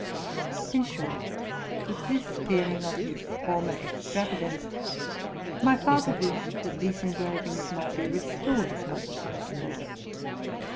In short, with this feeling of his former extravagance, ny father wished that these engravings might be restored as RELATING TO MY LIFE. 101 much as possible.